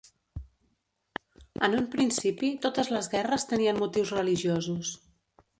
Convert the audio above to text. En un principi totes les guerres tenien motius religiosos.